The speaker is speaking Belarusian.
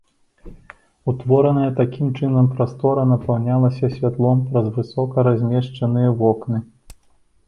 Утвораная такім чынам прастора напаўнялася святлом праз высока размешчаныя вокны.